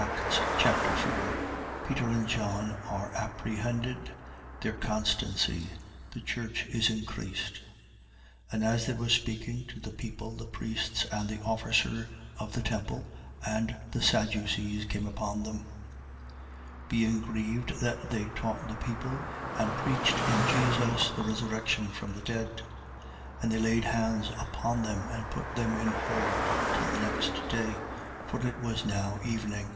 Acts Chapter 4 Peter and John are apprehended. Their constancy. The church is increased. 4:1. And as they were speaking to the people the priests and the officer of the temple and the Sadducees came upon them, 4:2. Being grieved that they taught the people and preached in Jesus the resurrection from the dead: 4:3. And they laid hands upon them and put them in hold till the next day: for it was now evening.